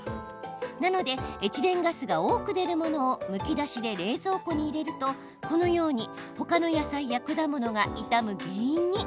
なので、エチレンガスが多く出るものをむき出しで冷蔵庫に入れるとこのようにほかの野菜や果物が傷む原因に。